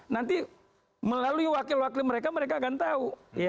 nanti melalui wakil wakil mereka mereka akan tahu